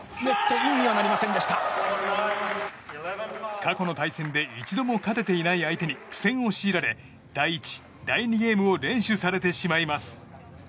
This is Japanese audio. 過去の対戦で一度も勝てていない相手に苦戦を強いられ第１、第２ゲームを連取されてしまいます。